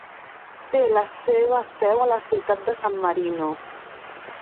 Té la seva seu a la ciutat de San Marino.